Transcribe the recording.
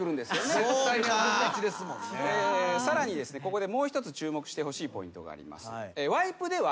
ここでもう一つ注目してほしいポイントがあります。